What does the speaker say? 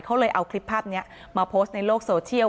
เขาเลยเอาคลิปภาพนี้มาโพสต์ในโลกโซเชียล